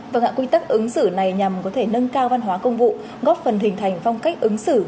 và hạ quy tắc ứng xử này nhằm có thể nâng cao văn hóa công vụ góp phần hình thành phong cách ứng xử